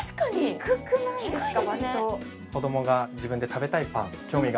低くないですか？